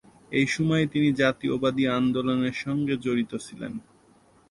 এই সময়ে তিনি জাতীয়তাবাদী আন্দোলনের সঙ্গে জড়িত ছিলেন।